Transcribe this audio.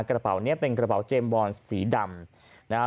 กระเป๋าเนี้ยเป็นกระเป๋าเจมบอลสีดำนะฮะ